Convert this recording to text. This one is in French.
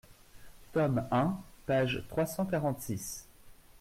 tome un, page trois cent quarante-six.